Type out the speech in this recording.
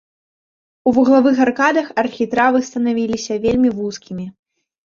У вуглавых аркадах архітравы станавіліся вельмі вузкімі.